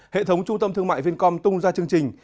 hệ thống trung tâm thương mại vincom tung ra chương trình